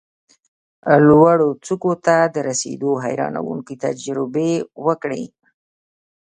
لوړو څوکو ته د رسېدو حیرانوونکې تجربې وکړې،